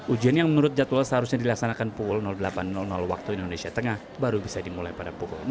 ujian yang menurut jadwal seharusnya dilaksanakan pukul delapan waktu indonesia tengah baru bisa dimulai pada pukul enam